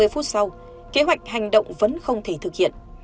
ba mươi phút sau kế hoạch hành động vẫn không thể thực hiện